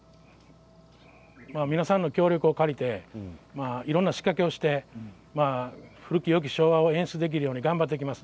皆さんの協力を借りていろいろな仕掛けをして古きよき昭和を演出できるように頑張っていきます。